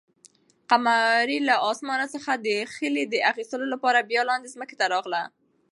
قمرۍ له اسمانه څخه د خلي د اخیستلو لپاره بیا لاندې ځمکې ته راغله.